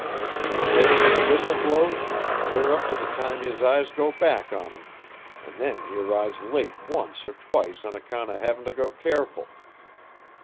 He's there when the whistle blows, clear up to the time his eyes go back on him, an' then he arrives late once or twice on account o' havin' to go careful.